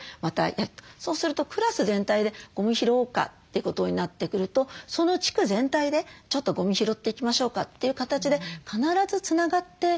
そうするとクラス全体でゴミ拾おうかってことになってくるとその地区全体でちょっとゴミ拾っていきましょうかという形で必ずつながっていくんですね。